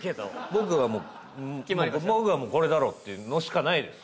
僕はもう僕はもうこれだろっていうのしかないです。